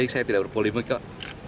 saya tidak berpolemik kok